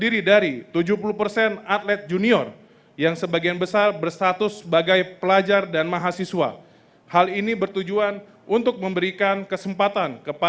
raya kebangsaan indonesia raya